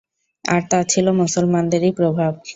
আর তা ছিল মুসলমানদেরই প্রভাব।